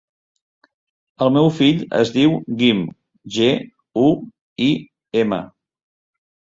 El meu fill es diu Guim: ge, u, i, ema.